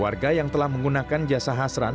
warga yang telah menggunakan jasa hasran